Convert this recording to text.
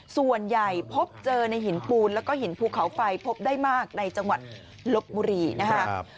ส่วนใหญ่พบเจอในหินปูนแล้วก็หินภูเขาไฟพบได้มากในจังหวัดลบบุรีนะครับ